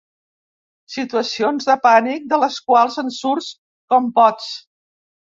Situacions de pànic de les quals en surts com pots.